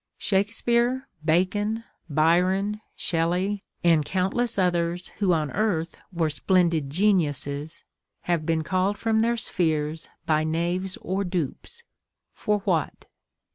Shakespeare, Bacon, Byron, Shelley, and countless others who on earth were splendid geniuses, have been called from their spheres by knaves or dupes, for what?